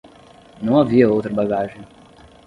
Não havia outra bagagem.